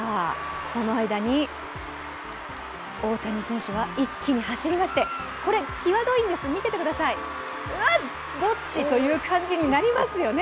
その間に大谷選手は一気に走りまして、際どいんです、うわ、どっち？という感じになりますよね。